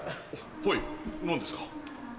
はい何ですか？